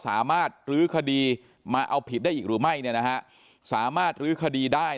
สามารถลื้อคดีมาเอาผิดได้อีกหรือไม่สามารถลื้อคดีได้